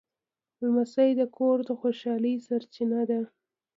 لمسی د کور د خوشحالۍ سرچینه ده.